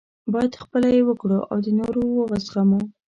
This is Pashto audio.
باید خپله یې وکړو او د نورو وزغمو.